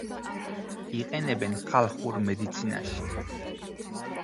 იყენებენ ხალხურ მედიცინაში.